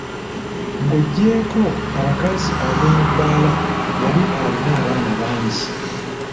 Ng'oggyeko abakazi ab'omubbaala yali alina n'abaana bangi.